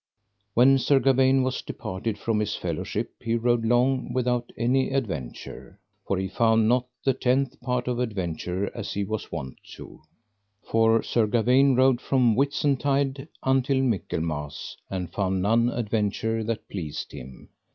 When Sir Gawaine was departed from his fellowship he rode long without any adventure. For he found not the tenth part of adventure as he was wont to do. For Sir Gawaine rode from Whitsuntide until Michaelmas and found none adventure that pleased him.